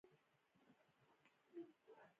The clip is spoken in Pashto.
د ټوکو په ډول کیسې هم وکړې.